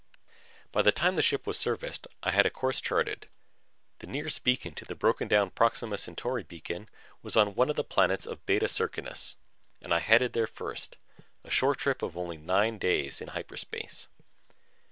By the time the ship was serviced, I had a course charted. The nearest beacon to the broken down Proxima Centauri Beacon was on one of the planets of Beta Circinus and I headed there first, a short trip of only about nine days in hyperspace.